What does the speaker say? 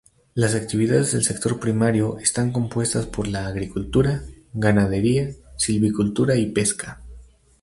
Las actividades del sector primario están compuestas por: La agricultura, ganadería, silvicultura y pesca